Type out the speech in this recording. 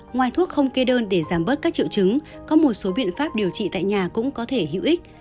ngoài thuốc không kê đơn để giảm bớt các triệu chứng có một số biện pháp điều trị tại nhà cũng có thể hữu ích